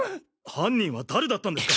犯人は誰だったんですか？